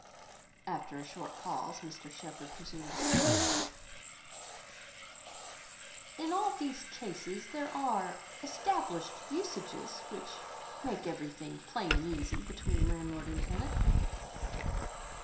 After a short pause, Mr Shepherd presumed to say— "In all these cases, there are established usages which make everything plain and easy between landlord and tenant.